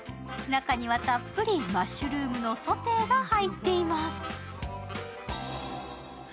中にはたっぷりマッシュルームのソテーが入っています。